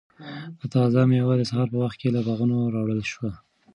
دا تازه مېوې د سهار په وخت کې له باغونو راوړل شوي.